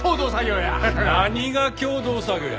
何が共同作業や。